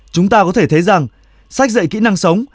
chúng ta có thể thấy rằng sách dạy kỹ năng sống